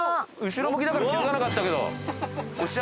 後ろ向きだから気付かなかったけど。